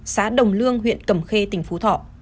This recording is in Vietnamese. xã đồng lương huyện cầm khê tỉnh phú thọ